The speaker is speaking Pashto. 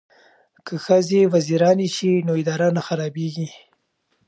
که ښځې وزیرانې شي نو اداره نه خرابیږي.